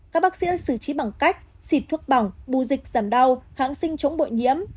các bác sĩ xử trí bằng cách xịt thuốc bỏng bù dịch giảm đau kháng sinh chống bội nhiễm